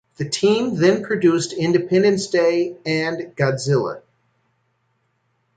The team then produced "Independence Day" and "Godzilla".